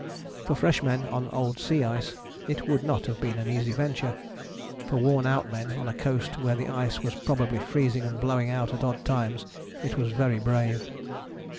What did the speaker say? For fresh men on old sea ice it would not have been an easy venture: for worn out men on a coast where the ice was probably freezing and blowing out at odd times it was very brave.